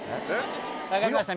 ⁉分かりました？